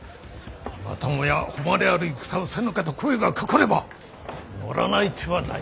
またもや誉れある戦をせぬかと声がかかれば乗らない手はない。